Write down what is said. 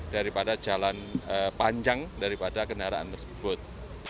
daripada jalan panjang daripada kendaraan tersebut